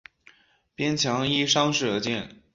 边墙依山势而建。